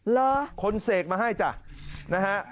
ละคนเสกมาให้จ้ะนะฮะ